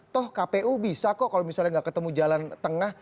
toh kpu bisa kok kalau misalnya nggak ketemu jalan tengah